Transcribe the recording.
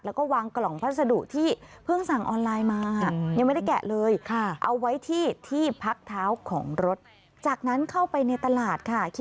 แล้วก็วางกล่องพัสดุที่เพิ่งสั่งออนไลน์มา